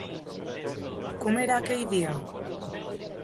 Com era aquell dia?